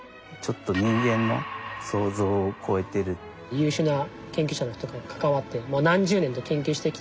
優秀な研究者の人が関わってもう何十年と研究してきて